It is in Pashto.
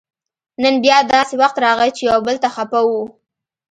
نن بیا داسې وخت راغی چې یو بل ته خپه وو